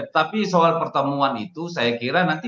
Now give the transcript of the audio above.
tapi soal pertemuan itu saya kira nanti